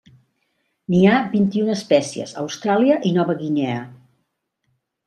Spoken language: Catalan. N'hi ha vint-i-una espècies a Austràlia i Nova Guinea.